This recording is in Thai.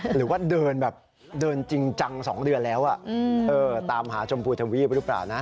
หรือว่าเดินแบบเดินจริงจัง๒เดือนแล้วตามหาชมพูทวีปหรือเปล่านะ